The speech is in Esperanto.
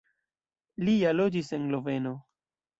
Li ja loĝis en Loveno.